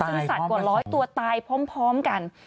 ซึ่งสัตว์กว่าร้อยตัวตายพร้อมกัน